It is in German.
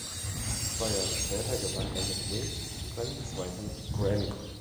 Zwei Jahre später gewann er mit "Wings" seinen zweiten Grammy.